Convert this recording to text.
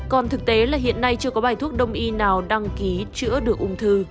còn thực tế là hiện nay chưa có bài thuốc đông y nào đăng ký chữa được ung thư